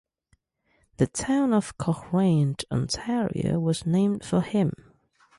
The town of Cochrane, Ontario was named for him.